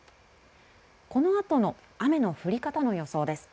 このあとの雨の降り方の予想です。